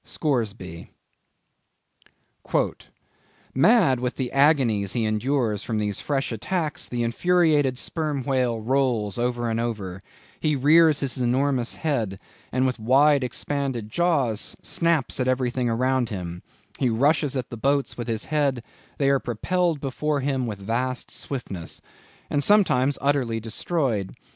—Scoresby. "Mad with the agonies he endures from these fresh attacks, the infuriated Sperm Whale rolls over and over; he rears his enormous head, and with wide expanded jaws snaps at everything around him; he rushes at the boats with his head; they are propelled before him with vast swiftness, and sometimes utterly destroyed....